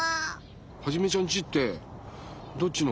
ハジメちゃんちってどっちのほうにあるの？